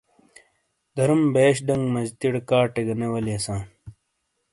درُوم بیش ڑنگ مجِیتڑےکاٹے گہ نے والیساں۔